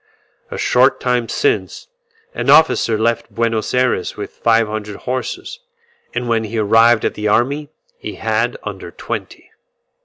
A short time since, an officer left Buenos Ayres with five hundred horses, and when he arrived at the army he had under twenty.